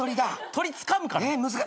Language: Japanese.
鳥つかむから。